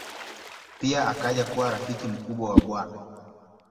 Pia akaja kuwa rafiki mkubwa wa Bw.